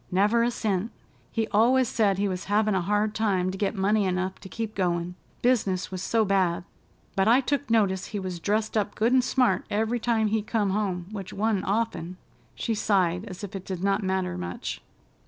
"Never a cent! He always said he was havin' a hard time to get money enough to keep goin', business was so bad, but I look notice he was dressed up good and smart every time he come home, which wa'n't often." She sighed as if it did not matter much.